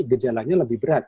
gejalanya lebih berat